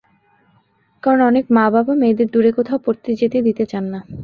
কারণ অনেক মা-বাবা মেয়েদের দূরে কোথাও পড়তে যেতে দিতে চান না।